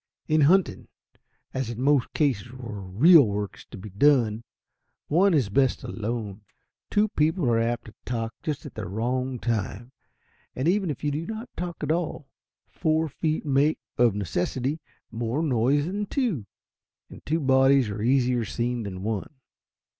In hunting, as in most cases where real work is to be done, one is best alone. Two people are apt to talk just at the wrong time. And even if you do not talk at all, four feet make of necessity more noise than two, and two bodies are easier seen than one.